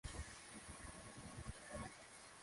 inatakiwa kuvifanya ili kuyafikia hayo maendeleo endelevu